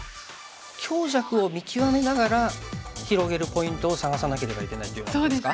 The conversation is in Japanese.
強弱を見極めながら広げるポイントを探さなければいけないというようなことですか？